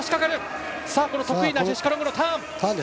得意なジェシカ・ロングのターン。